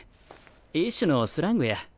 一種のスラングや。